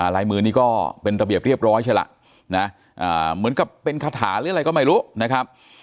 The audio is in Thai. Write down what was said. ลายมือนี้ก็เป็นระเบียบเรียบร้อยใช่ล่ะนะเหมือนกับเป็นคาถาหรืออะไรก็ไม่รู้นะครับ